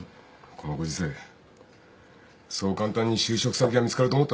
このご時世そう簡単に就職先が見つかると思ったら大間違いだ。